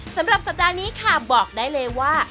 สำหรับสัปดาห์นี้ค่ะบอกได้เลยว่า